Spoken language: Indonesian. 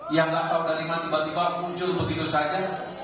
yang gantap garingan tiba tiba muncul begitu saja